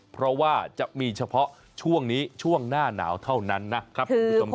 เพราะว่าจะมีเฉพาะช่วงนี้ช่วงหน้าหนาวเท่านั้นนะครับคุณผู้ชมครับ